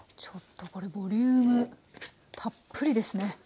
ちょっとこれボリュームたっぷりですね。